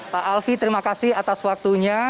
pak alvi terima kasih atas waktunya